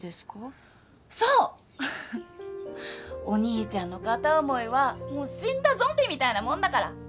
お兄ちゃんの片思いはもう死んだゾンビみたいなもんだから。